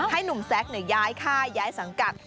ให้หนุ่มแซกเนี่ยย้ายค่ายย้ายสังกัด